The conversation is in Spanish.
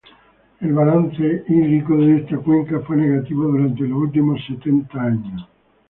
El balance hídrico de esta cuenca fue negativo durante los últimos setenta años.